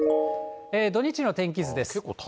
土日の天気図です。